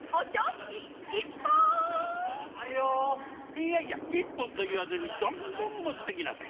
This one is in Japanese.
イヤイヤ一本といわずどんどん持ってきなさい。